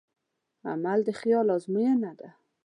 عمل د خیال ازموینه ده.